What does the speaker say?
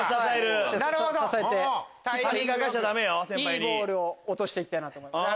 いいボールを落としていきたいと思います。